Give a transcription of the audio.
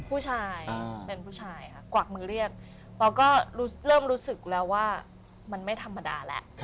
ผู้ชายเป็นผู้ชายค่ะกวักมือเรียกเราก็เริ่มรู้สึกแล้วว่ามันไม่ธรรมดาแล้ว